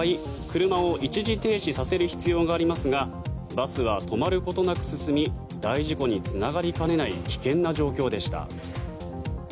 車を一時停止させる必要がありますがバスは止まることなく進み大事故につながりかねない危険な状況でした。